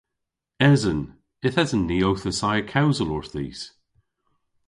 Esen. Yth esen ni owth assaya kewsel orthis.